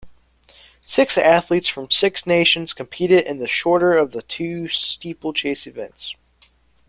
Six athletes from six nations competed in the shorter of the two steeplechase events.